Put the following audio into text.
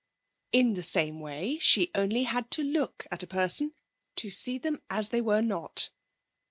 In the same way she had only to look at a person to see them as they were not.